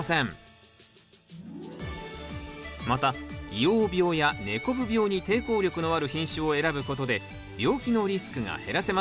また萎黄病や根こぶ病に抵抗力のある品種を選ぶことで病気のリスクが減らせます。